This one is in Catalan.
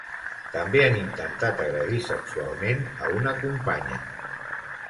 També han intentat agredir sexualment a una companya.